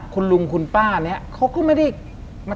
คุณลุงกับคุณป้าสองคนนี้เป็นใคร